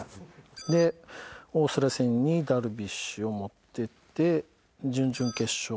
でオーストラリア戦にダルビッシュを持っていって準々決勝。